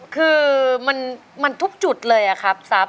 คือมันทุกจุดเลยครับทรัพย